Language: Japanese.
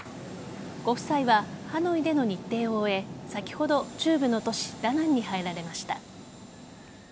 ご夫妻はハノイでの日程を終え先ほど中部の都市・ダナンに入られました。